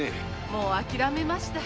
もうあきらめました。